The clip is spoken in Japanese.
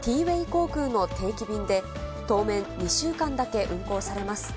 航空の定期便で、当面、２週間だけ運航されます。